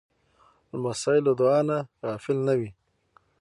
لمسی له دعا نه غافل نه وي.